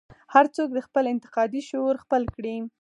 هر څوک دې خپل انتقادي شعور خپل کړي.